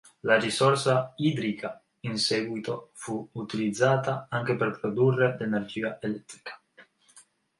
La risorsa idrica in seguito fu utilizzata anche per produrre l'energia elettrica.